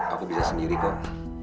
aku bisa sendiri kok